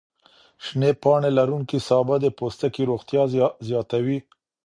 شنې پاڼې لروونکي سابه د پوستکي روغتیا زیاتوي.